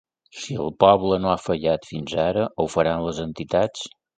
Si el poble no ha fallat fins ara, ho faran les entitats?